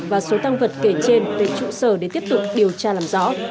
đối tượng tăng vật kể trên tới trụ sở để tiếp tục điều tra làm rõ